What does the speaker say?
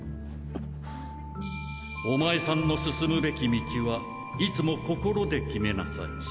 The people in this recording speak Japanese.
マタムネ：お前さんの進むべき道はいつも心で決めなさい。